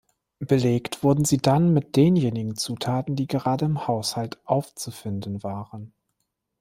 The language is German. Belegt wurden sie dann mit denjenigen Zutaten, die gerade im Haushalt aufzufinden waren.